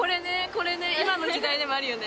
これね今の時代でもあるよね。